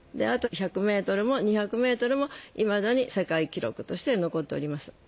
あと１００ｍも２００ｍもいまだに世界記録として残っております。